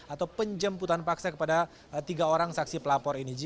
atau penjemputan paksa kepada tiga orang saksi pelapor ini